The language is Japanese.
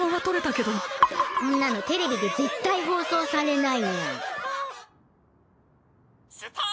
こんなのテレビで絶対放送されないニャン。